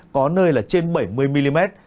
có nơi là trên bảy mươi mm